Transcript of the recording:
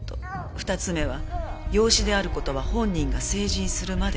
２つ目は養子である事は本人が成人するまで教えない事。